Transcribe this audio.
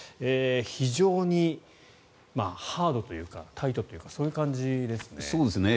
非常にハードというかタイトというかそういう感じですね。